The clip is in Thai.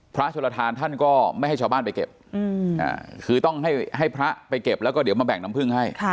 โชลทานท่านก็ไม่ให้ชาวบ้านไปเก็บคือต้องให้พระไปเก็บแล้วก็เดี๋ยวมาแบ่งน้ำพึ่งให้